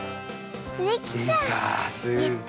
できた。